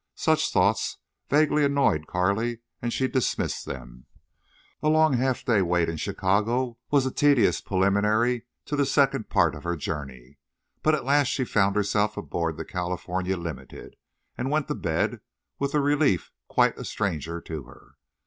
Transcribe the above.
Such thoughts vaguely annoyed Carley, and she dismissed them. A long half day wait in Chicago was a tedious preliminary to the second part of her journey. But at last she found herself aboard the California Limited, and went to bed with a relief quite a stranger to her.